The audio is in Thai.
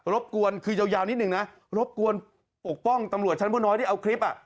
บกวนคือยาวนิดนึงนะรบกวนปกป้องตำรวจชั้นผู้น้อยที่เอาคลิปอ่ะ